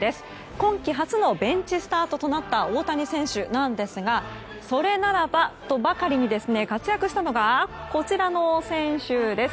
今季初のベンチスタートとなった大谷選手ですがそれならばとばかりに活躍したのがこちらの選手です。